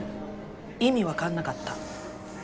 意味分かんなかった。